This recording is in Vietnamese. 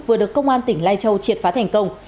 vừa được công an tỉnh lai châu triệt phá thành công